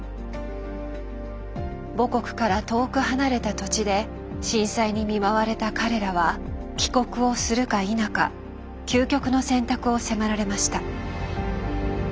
母国から遠く離れた土地で震災に見舞われた彼らは帰国をするか否か究極の選択を迫られました。